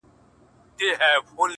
ماسومان ترې وېرېږي تل،